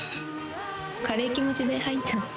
軽い気持ちで入っちゃって。